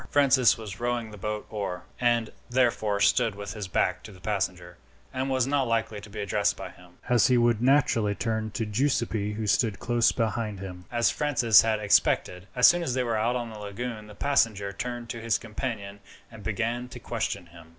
Francis was rowing the bow oar, and therefore stood with his back to the passenger, and was not likely to be addressed by him, as he would naturally turn to Giuseppi, who stood close behind him. As Francis had expected, as soon as they were out on the lagoon the passenger turned to his companion and began to question him.